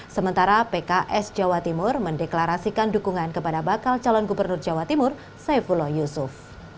sementara pks jawa timur mendeklarasikan dukungan kepada bakal calon gubernur jawa timur saifullah yusuf